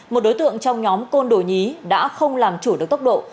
một đối tượng trong nhóm côn đồ nhí đã không làm chủ được tốc độ